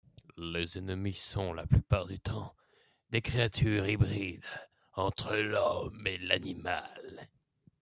Les ennemis sont, la plupart du temps, des créatures hybrides entre l'homme et l'animal.